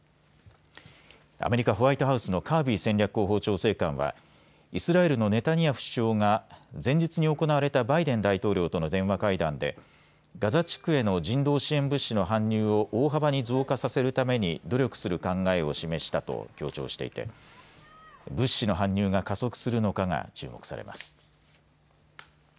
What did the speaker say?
アメリカ・ホワイトハウスのカービー戦略広報調整官はイスラエルのネタニヤフ首相が前日に行われたバイデン大統領との電話会談でガザ地区への人道支援物資の搬入を大幅に増加させるために努力する考えを示したと強調していて物資の搬入が加速するのかが注目されます。